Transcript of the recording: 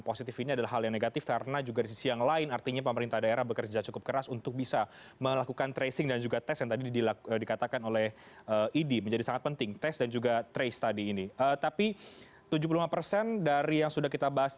oleh pemerintah daerah